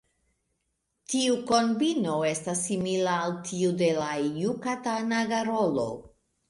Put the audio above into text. Tiu kombino estas simila al tiu de la Jukatana garolo.